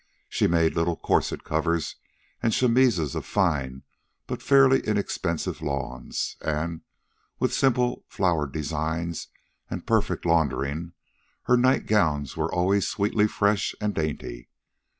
She made little corset covers and chemises of fine but fairly inexpensive lawns, and, with simple flowered designs and perfect laundering, her nightgowns were always sweetly fresh and dainty.